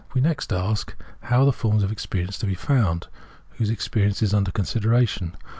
We next ask, how are the forms of experience to be found ? Whose experience is under consideration